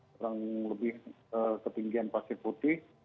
kurang lebih ketinggian pasir putih